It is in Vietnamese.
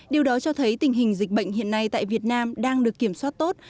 điều đó cho thấy tình hình dịch bệnh hiện nay tại việt nam đang được kiểm soát tốt